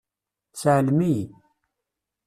Seɛlem-iyi.